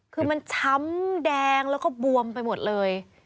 คือมันช้ำแดงแล้วก็บวมไปหมดเลย